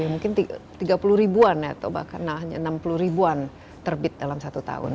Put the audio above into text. mungkin tiga puluh ribuan atau bahkan hanya enam puluh ribuan terbit dalam satu tahun